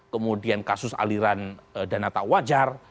kemudian kasus aliran dana tak wajar